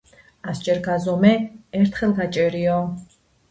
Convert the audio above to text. ასჯერ გაზომე, ერთხელ გაჭერიო